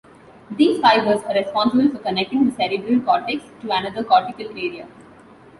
These fibers are responsible for connecting the cerebral cortex to another cortical area.